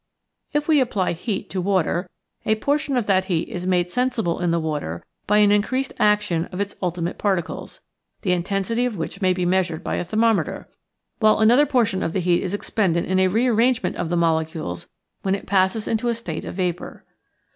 If we apply heat to water, a portion of that heat is made sensi ble in the water by an increased action of its ultimate particles, the intensity of which may be measured by a thermometer, while another portion of the heat is expended in a rearrange ment of the molecules when it passes into a state of vapor.